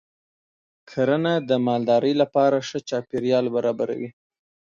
کرنه د مالدارۍ لپاره ښه چاپېریال برابروي.